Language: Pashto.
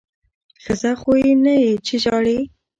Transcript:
ښځه خو نه یې چې ژاړې!